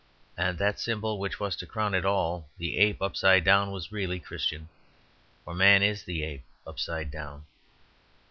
And that symbol which was to crown it all, the ape upside down, was really Christian; for man is the ape upside down.